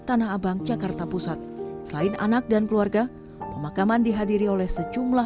tanah abang jakarta pusat selain anak dan keluarga pemakaman dihadiri oleh sejumlah